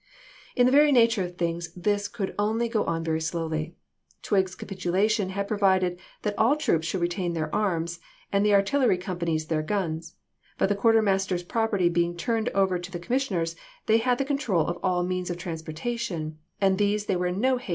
In the nature of things this could only go on very slowly. Twiggs's capitulation had provided that the troops should retain their arms, and the artillery companies their guns; but the quarter master's property being turned over to the com missioners, they had the control of all means of transportation, and these they were in no haste to 190 ABKAHAM LINCOLN Chap.